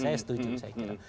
saya setuju saya kira